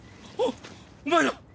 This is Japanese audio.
おお前ら！